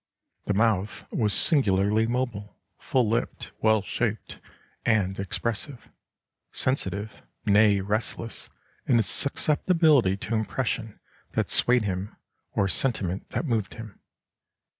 The mouth was singularly mobile, full lipped, well shaped, and expressive; sensitive, nay restless, in its susceptibility to impression that swayed him, or sentiment that moved him.